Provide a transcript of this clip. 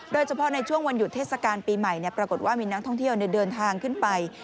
โดยเฉพาะในช่วงวันหยุดเทศกาลปีใหม่ปรากฏว่ามีนักท่องเที่ยวเดินทางขึ้นไป